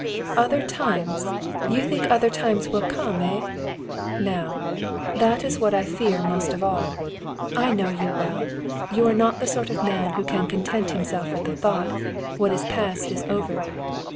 "Other times! You think other times will come, eh? Now, that is what I fear most of all. I know you well. You are not the sort of man who can content himself with the thought what is past is over!